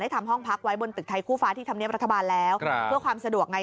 ทำห้องพักไว้บนตึกไทยคู่ฟ้าที่ธรรมเนียบรัฐบาลแล้วเพื่อความสะดวกไง